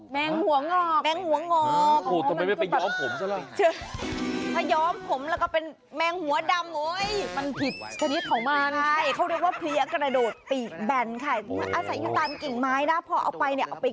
แมงหัวงอกแมงหัวงอกโอ้โฮทำไมไม่ไปย้อมผมเถอะล่ะ